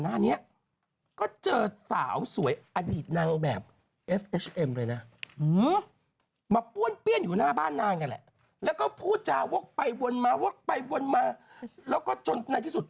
นางคิดแบบว่าไม่ไหวแล้วไปกด